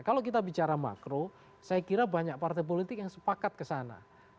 kalau kita bicara makro saya kira banyak partai politik yang sepakat kesana